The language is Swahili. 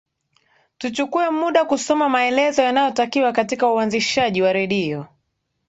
tuchukue muda kusoma maelezo yanayotakiwa katika uanzishaji wa redio